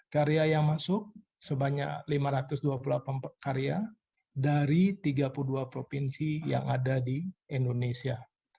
karya yang masuk sebanyak lima ratus dua puluh delapan karya dari tiga puluh dua provinsi yang ada di indonesia